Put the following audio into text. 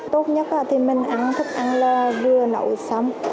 tốt nhất thì mình ăn thức ăn là vừa nấu xấm